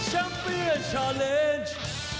ชัมเปียร์ชัลเลนจ์